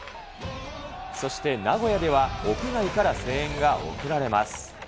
そして名古屋では、屋外から声援が送られます。